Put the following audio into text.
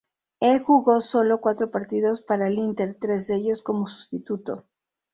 Él jugó sólo cuatro partidos para el Inter, tres de ellos como sustituto.